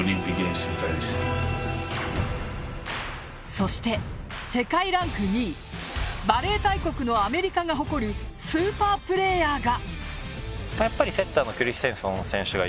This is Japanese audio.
そして、世界ランク２位バレー大国のアメリカが誇るスーパープレーヤーが。